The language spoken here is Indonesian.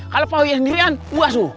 kalau pauya sendirian buas bu